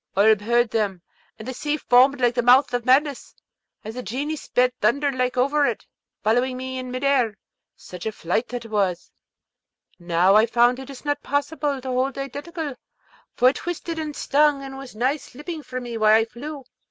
Oolb heard them, and the sea foamed like the mouth of madness, as the Genie sped thunder like over it, following me in mid air. Such a flight was that! Now, I found it not possible to hold the Identical, for it twisted and stung, and was nigh slipping from me while I flew.